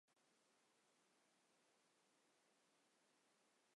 দুই মাস মিলে একটি ঋতু।